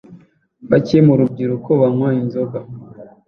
Bake mu rubyiruko banywa inzoga